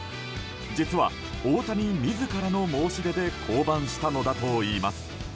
実は、大谷自らの申し出で降板したのだといいます。